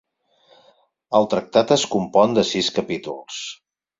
El tractat es compon de sis capítols.